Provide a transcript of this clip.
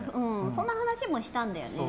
その話もしたんだよね。